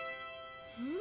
うん？